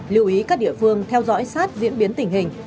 lưu ý các địa phương theo dõi sát diễn biến tình hình